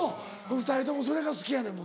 ２人ともそれが好きやねんもんな。